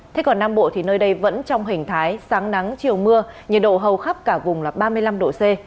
thế còn nam bộ thì nơi đây vẫn trong hình thái sáng nắng chiều mưa nhiệt độ hầu khắp cả vùng là ba mươi năm độ c